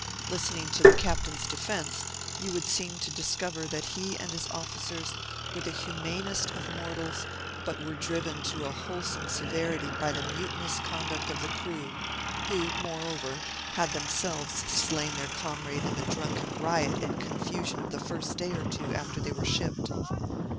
Listening to the captain's defence, you would seem to discover that he and his officers were the humanest of mortals, but were driven to a wholesome severity by the mutinous conduct of the crew, who, moreover, had themselves slain their comrade in the drunken riot and confusion of the first day or two after they were shipped.